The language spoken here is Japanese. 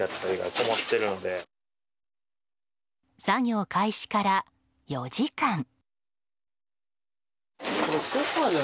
作業開始から４時間。